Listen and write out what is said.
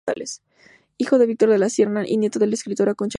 Hijo de Víctor de la Serna y nieto de la escritora Concha Espina.